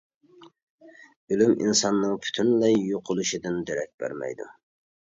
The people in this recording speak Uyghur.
ئۆلۈم ئىنساننىڭ پۈتۈنلەي يوقىلىشىدىن دېرەك بەرمەيدۇ.